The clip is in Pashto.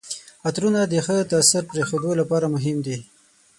عطرونه د ښه تاثر پرېښودو لپاره مهم دي.